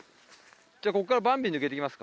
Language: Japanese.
じゃあこっからバンビ抜けていきますか？